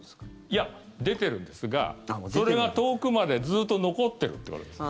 いや、出てるんですがそれが遠くまでずっと残ってるってことです。